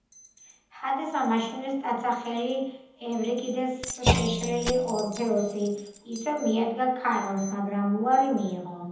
ჰადესმა მაშინვე სტაცა ხელი ევრიდიკეს, შეშლილი ორფეოსი ისევ მიადგა ქარონს მაგრამ უარი მიიღო.